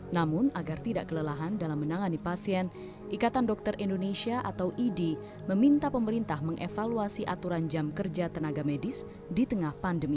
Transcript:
namun agar tidak kelelahan dalam menangani pasien ikatan dokter indonesia atau idi meminta pemerintah mengevaluasi aturan jam kerja tenaga medis di tengah pandemi